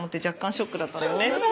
ショックだった。